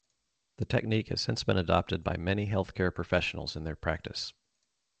The technique has since been adopted by many healthcare professionals in their practice.